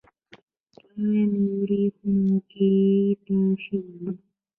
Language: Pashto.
په عین ورېښمو کې تاو شوي وو.